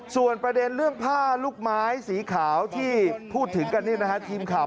ส่วนประเด็นเรื่องผ้าลูกไม้สีขาวที่พูดถึงกันทีมข่าว